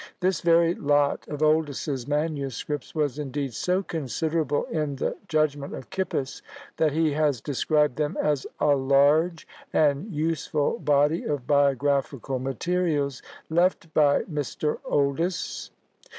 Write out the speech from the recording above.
This very lot of Oldys's manuscripts was, indeed, so considerable in the judgment of Kippis, that he has described them as "a large and useful body of biographical materials, left by Mr. Oldys."